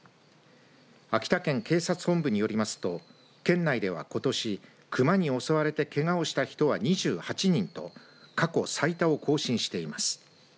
秋田県警察本部によりますと県内ではことし熊に襲われてけがをした人は２８人と過去最多を更新しています。